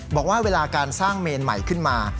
บอกว่าเวลาการสร้างเมนใหม่ขึ้นมา